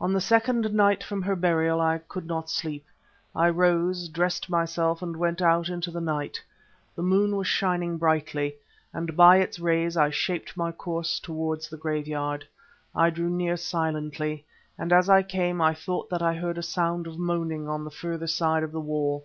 On the second night from her burial I could not sleep. I rose, dressed myself, and went out into the night. The moon was shining brightly, and by its rays I shaped my course towards the graveyard. I drew near silently, and as I came I thought that I heard a sound of moaning on the further side of the wall.